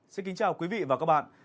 xin kính chào quý vị và các bạn